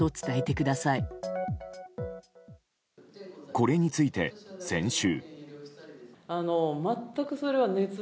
これについて先週。